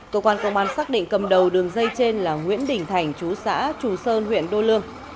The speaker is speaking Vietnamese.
cơ quan công an xác định cầm đầu đường dây trên là nguyễn đình thành chú xã chù sơn huyện đô lương